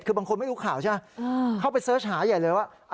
คือบางคนไม่รู้ข่าวใช่ไหมเข้าไปเสิร์ชหาใหญ่เลยว่า